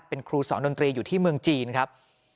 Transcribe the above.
เป็นครูสอนดนตรีอยู่ที่เมืองจีนครับ